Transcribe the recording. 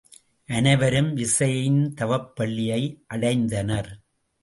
அனைவரும் விசயையின் தவப்பள்ளியை அடைந்தனர்.